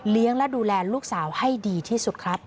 และดูแลลูกสาวให้ดีที่สุดครับ